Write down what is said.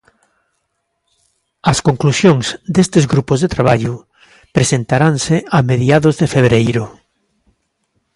As conclusións destes grupos de traballo presentaranse a mediados de febreiro.